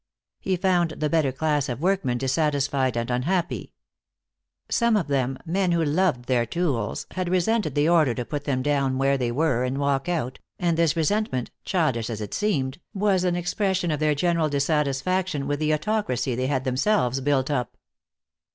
He found the better class of workmen dissatisfied and unhappy. Some of them, men who loved their tools, had resented the order to put them down where they were and walk out, and this resentment, childish as it seemed, was an expression of their general dissatisfaction with the autocracy they had themselves built up.